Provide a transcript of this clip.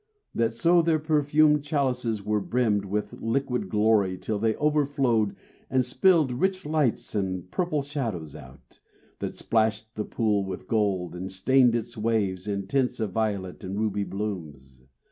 That so their perfumed chalices were brimmed With liquid glory till they overflowed And spilled rich lights and purple shadows out, That splashed the pool with gold, and stained its waves In tints of violet and ruby blooms.